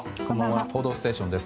「報道ステーション」です。